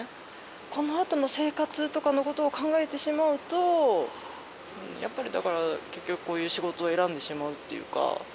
このあとの生活とかのことを考えてしまうと、やっぱりだから、結局こういう仕事を選んでしまうっていうか。